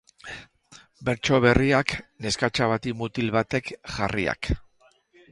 Bertso berriak, neskatxa bati mutil batek jarriak.